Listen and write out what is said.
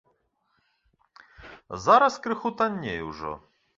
Зараз крыху танней ужо.